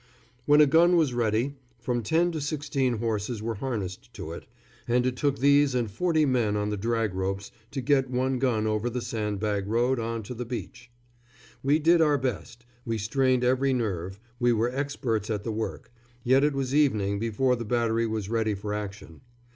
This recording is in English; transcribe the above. When a gun was ready, from ten to sixteen horses were harnessed to it, and it took these and forty men on the drag ropes to get one gun over the sandbag road on to the beach. We did our best, we strained every nerve, we were experts at the work, yet it was evening before the battery was ready for action.